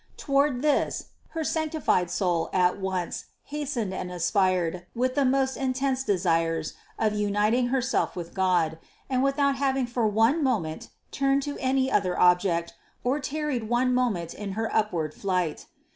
Toward this her sanctified Soul at once hastened and aspired with the most intense desires of uniting Herself with God and without having for one moment turned to any other object or tarried one moment in her up ward flight.